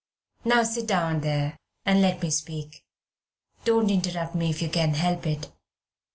Now sit down there and let me speak. Don't interrupt me if you can help it.